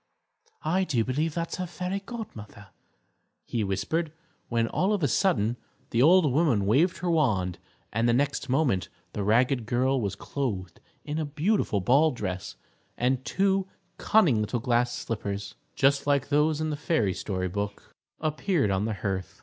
"I do believe that's her Fairy Godmother," he whispered, when, all of a sudden, the old woman waved her wand, and the next moment the ragged girl was clothed in a beautiful ball dress, and two cunning little glass slippers, just like those in the fairy story book, appeared on the hearth.